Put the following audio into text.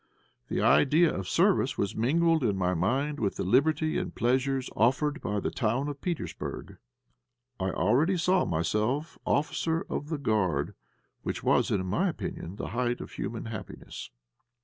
The idea of service was mingled in my mind with the liberty and pleasures offered by the town of Petersburg. I already saw myself officer of the Guard, which was, in my opinion, the height of human happiness.